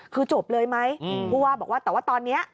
คือจบเลยไหมผู้ว่าบอกว่าแต่ว่าตอนนี้